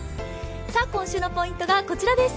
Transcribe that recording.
今週のポイントがこちらです。